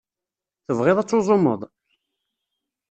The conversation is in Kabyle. Tebɣiḍ ad tuẓumeḍ?